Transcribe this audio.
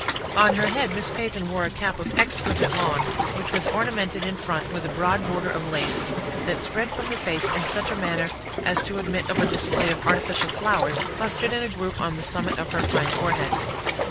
On her head Miss Peyton wore a cap of exquisite lawn, which was ornamented in front with a broad border of lace, that spread from the face in such a manner as to admit of a display of artificial flowers, clustered in a group on the summit of her fine forehead.